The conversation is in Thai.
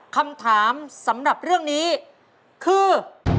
คำถามสำหรับเรื่องนี้คือ